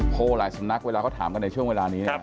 หลายสำนักเวลาเขาถามกันในช่วงเวลานี้